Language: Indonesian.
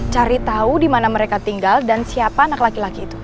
cari tahu di mana mereka tinggal dan siapa anak laki laki itu